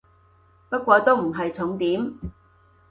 不過都唔係重點